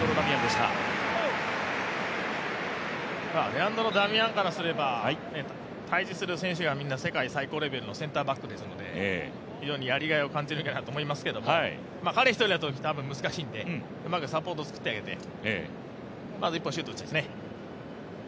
レアンドロ・ダミアンからすれば対峙する選手がみんな世界最高レベルのセンターバックですので非常にやりがいを感じると思いますけど彼一人だとたぶん難しいんでうまくサポートつくってあげてまず１本、シュート打ちたいですね。